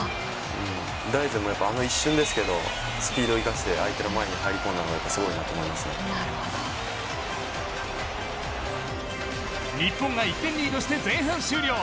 大然もあの一瞬ですけどスピードを生かして相手の前に入り込んだのが日本が１点リードして前半終了。